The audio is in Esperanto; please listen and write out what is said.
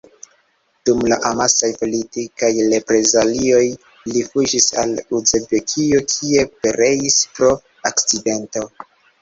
Dum la amasaj politikaj reprezalioj li fuĝis al Uzbekio, kie pereis pro akcidento.